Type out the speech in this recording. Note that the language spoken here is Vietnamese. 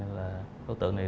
là đối tượng này